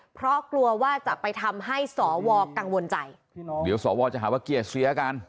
เพราะกลัวว่าจะไปทำให้สวกังวลใจเดี๋ยวสวจะหาว่าเกลียดเสียกัน